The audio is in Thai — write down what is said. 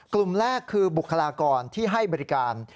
กลุ่มแรกคือบุคลากรที่ให้บริการ